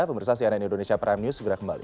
pemerintah cnn indonesia prime news segera kembali